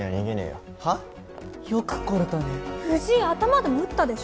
よく来れたね藤井頭でも打ったでしょ